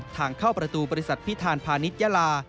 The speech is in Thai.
ทางเข้าประตูบริษัทพิธานพาณิชยาลา